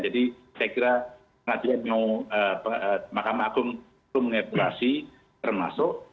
jadi saya kira pengadilan mau mahkamah agung itu mengadukasi termasuk